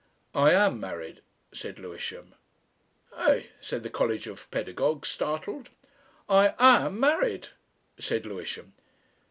"I am married," said Lewisham. "Eh?" said the College of Pedagogues, startled. "I am married," said Lewisham.